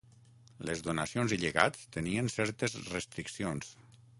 Les donacions i llegats tenien certes restriccions.